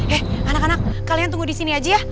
eh anak anak kalian tunggu disini aja ya